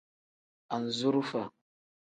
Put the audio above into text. Anzurufa.